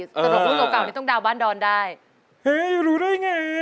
สมมุติโอกาสต้องดาวบ้านดอนได้